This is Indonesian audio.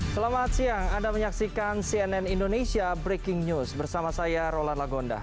selamat siang anda menyaksikan cnn indonesia breaking news bersama saya rolan lagonda